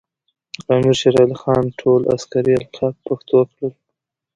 امیر شیر علی خان ټول عسکري القاب پښتو کړل.